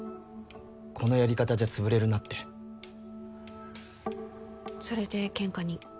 このやり方じゃつぶれるなってそれでケンカに？